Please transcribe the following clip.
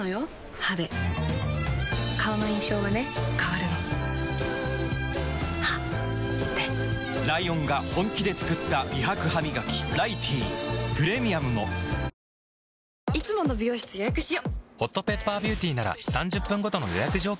歯で顔の印象はね変わるの歯でライオンが本気で作った美白ハミガキ「ライティー」プレミアムも顔の印象はね変わるのよ